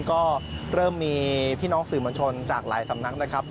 ก็เริ่มมีพี่น้องสื่อมวลชนจากหลายสำนักนะครับ